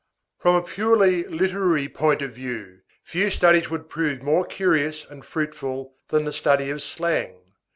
From a purely literary point of view, few studies would prove more curious and fruitful than the study of slang.